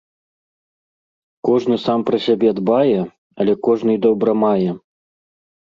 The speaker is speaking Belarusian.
Кожны сам пра сябе дбае, але кожны й добра мае.